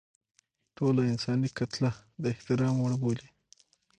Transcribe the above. ټوله انساني کتله د احترام وړ بولي.